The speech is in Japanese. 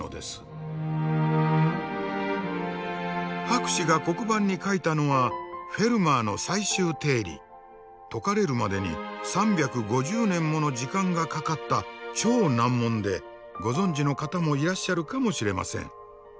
博士が黒板に書いたのは解かれるまでに３５０年もの時間がかかった超難問でご存じの方もいらっしゃるかもしれません。